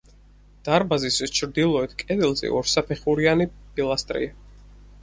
დარბაზის ჩრდილოეთ კედელზე ორსაფეხურიანი პილასტრია.